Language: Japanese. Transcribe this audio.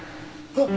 あっ！